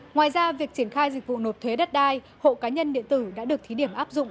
ngoài ra việc triển khai dịch vụ nộp thuế đất đai hộ cá nhân điện tử đã được thí điểm áp dụng